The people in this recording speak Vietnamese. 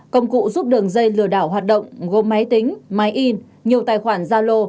cụ giúp đường dây lừa đảo hoạt động gồm máy tính máy in nhiều tài khoản giao lô